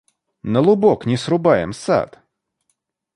На лубок не срубаем сад?